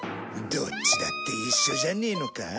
どっちだって一緒じゃねえのか？